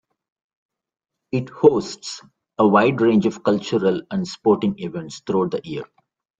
It hosts a wide range of cultural and sporting events throughout the year.